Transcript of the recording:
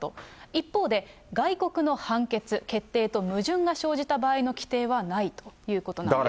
一方で、外国の判決、決定と矛盾が生じた場合の規定はないということなんですね。